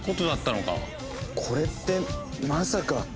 これってまさか。